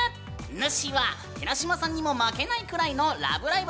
ぬっしーは寺島さんにも負けないぐらいの「ラブライブ！」